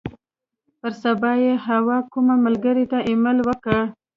پر سبا یې حوا کومې ملګرې ته ایمیل وکړ.